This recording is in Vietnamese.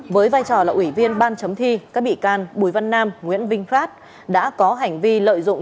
với vai trò là ủy viên ban chấm thi các bị can bùi văn nam nguyễn vinh phát đã có hành vi lợi dụng